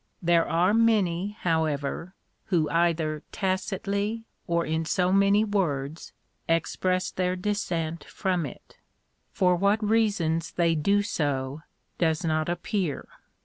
There are many, however, who either tacitly, or in so many words, express their dissent from it. For what reasons they do so, does not appear.